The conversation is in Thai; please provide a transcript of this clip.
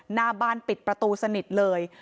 หน้าบ้านปิดประตูสนิทเลย